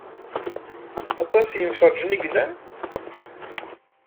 Aṭas n yemferrǧen i yellan.